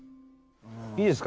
いいですか？